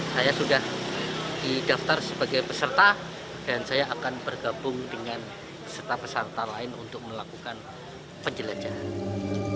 saya sudah didaftar sebagai peserta dan saya akan bergabung dengan peserta peserta lain untuk melakukan penjelajahan